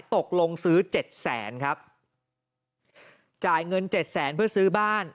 ตกลงซื้อ๗๐๐๐๐๐ครับจ่ายเงิน๗๐๐๐๐๐เพื่อซื้อบ้าน